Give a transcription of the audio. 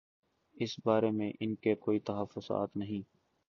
اس بارے میں ان کے کوئی تحفظات نہیں۔